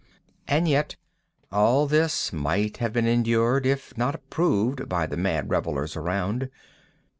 And yet all this might have been endured, if not approved, by the mad revellers around.